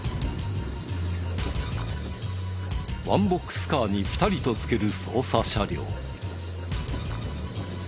ワンボックスカーにピタリとつける捜査車両。